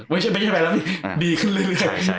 ไม่ใช่แบบนี้ดีขึ้นเลย